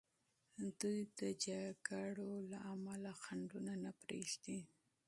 دوی د جنګ جګړو له امله خنډونه نه پریږدي.